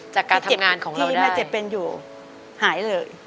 จากการทำงานของเราได้ที่แม่เจ็บเป็นอยู่หายเลย